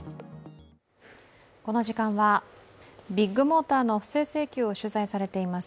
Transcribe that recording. この時間はビッグモーターの不正請求を取材されています